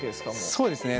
そうですね